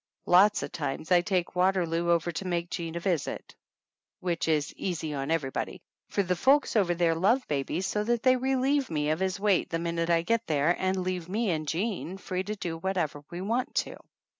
Lots of times I take Waterloo over to make Jean a visit, which is easy on everybody, for the folks over there love babies so that they re lieve me of his weight the minute I get there and leave me and Jean free to do whatever we 183 THE ANNALS OF ANN want to.